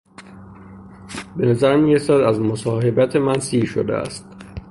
به نظر میرسد که از مصاحبت من سیر شده است.